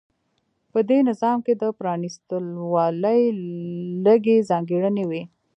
په دې نظام کې د پرانېستوالي لږې ځانګړنې وې.